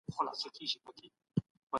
موږ به دا مسؤليت نوي نسل ته ورسپارو.